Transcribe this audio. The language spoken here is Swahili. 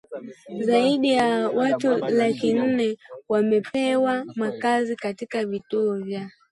zaidi ya watu laki nne wamepewa makazi katika vituo vya